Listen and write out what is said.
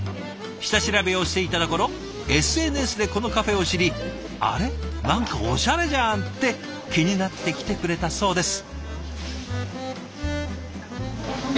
下調べをしていたところＳＮＳでこのカフェを知り「あれ？何かおしゃれじゃん！」って気になって来てくれたそうです。